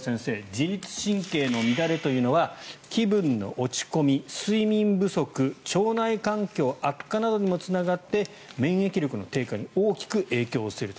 自律神経の乱れというのは気分の落ち込み、睡眠不足腸内環境悪化などにもつながって免疫力の低下に大きく影響すると。